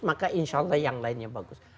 maka insya allah yang lainnya bagus